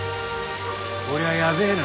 こりゃやべえな。